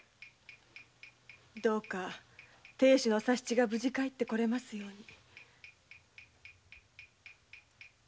どうか亭主の佐七が無事に帰ってきますように。